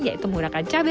yaitu menggunakan cabai